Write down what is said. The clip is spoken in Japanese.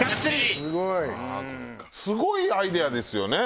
すごいアイデアですよね